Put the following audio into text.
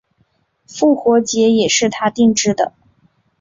复活节也是他制定的。